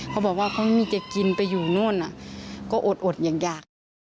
เขาบอกว่าเขาไม่มีจะกินไปอยู่นู่นก็อดอยาก